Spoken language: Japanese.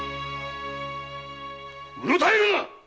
うろたえるな‼